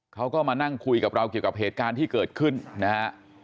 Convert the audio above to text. เขาก็มานั่งคุยกับเราเกี่ยวกับเหตุการณ์ที่เกิดขึ้นนะฮะ